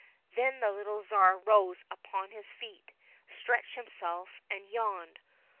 Then the little Tsar rose upon his feet, stretched himself, and yawned.